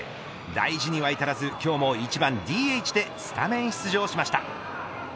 大事には至らず今日も１番ＤＨでスタメン出場しました。